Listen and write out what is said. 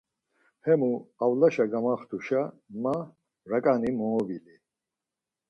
Hemu avlaşa gamaxtuşa ma raǩani moobili.